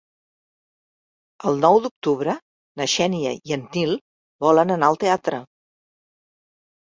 El nou d'octubre na Xènia i en Nil volen anar al teatre.